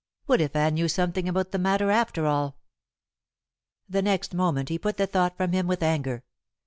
What if Anne knew something about the matter after all? The next moment he put the thought from him with anger.